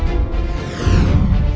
jangan lupa untuk berlangganan